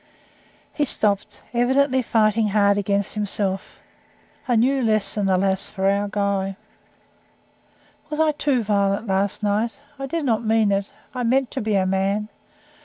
He stopped evidently fighting hard against himself. A new lesson, alas! for our Guy. "Was I too violent last night? I did not mean it. I mean to be a man.